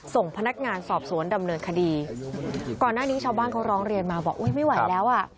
ส่งพนักงานสอบสวนดำเนินคดีก่อนหน้านี้ชาวบ้านเขาร้องเรียนมาบอกอุ้ยไม่ไหวแล้วอ่ะ